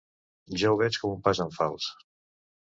Jo ho veig com un pas en fals.